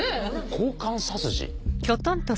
交換殺人？